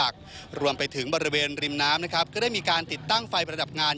ก็ได้มีการติดตั้งไฟประดับงาน